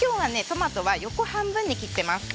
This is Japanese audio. トマトは横半分に切ってます。